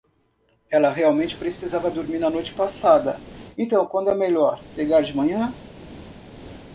Ela realmente precisava dormir na noite passada, então quando é melhor pegar de manhã?